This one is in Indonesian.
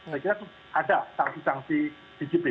saya kira ada sanksi sanksi di sipin